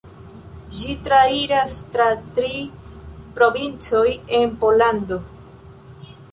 Ĝi trairas tra tri provincoj en Pollando.